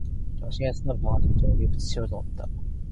영신이가 쓰던 방은 전처럼 깨끗이 치워 놓았다.